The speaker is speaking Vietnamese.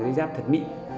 dây giáp thật mịn